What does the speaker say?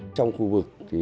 trong khu vực